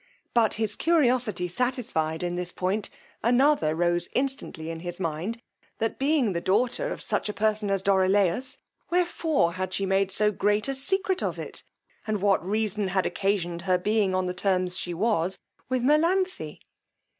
But his curiosity satisfied in this point, another rose instantly in his mind, that being the daughter of such a person as Dorilaus, wherefore she had made so great a secret of it, and what reason had occasioned her being on the terms she was with Melanthe.